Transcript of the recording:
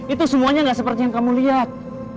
itu semuanya gak seperti yang kamu lihat